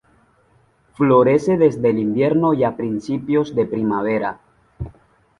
Florece desde el invierno y a principios de primavera.